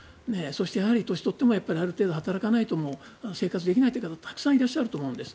そしてやはり年を取ってもある程度働かないと生活ができない方がたくさんいらっしゃると思うんです。